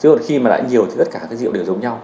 chứ khi mà lại nhiều thì tất cả các rượu đều giống nhau